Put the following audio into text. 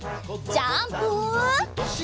ジャンプ！